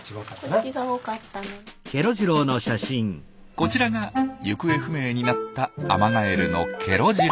こちらが行方不明になったアマガエルのケロ次郎。